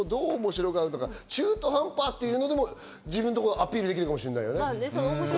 中途半端っていうのでも、自分のところをアピールできるかもしれない。